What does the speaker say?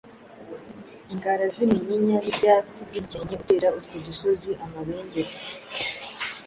ingara z’iminyinya n’ibyatsi by’umukenke utera utwo dusozi amabengeza.